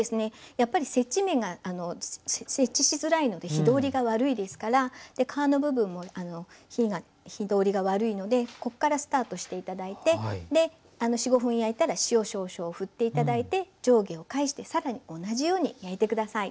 やっぱり接地面が接地しづらいので火通りが悪いですから皮の部分も火通りが悪いのでこっからスタートして頂いて４５分焼いたら塩少々ふって頂いて上下を返してさらに同じように焼いて下さい。